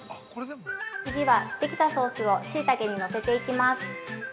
◆次は、できたソースをしいたけにのせていきます。